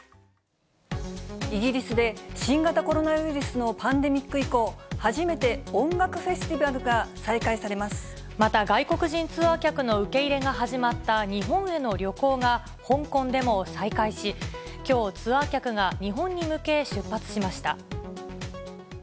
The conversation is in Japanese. イギリスで、新型コロナウイルスのパンデミック以降、初めて音楽フェスティバまた、外国人ツアー客の受け入れが始まった日本への旅行が香港でも再開し、きょう、ツアー客が日本に向け出発しました。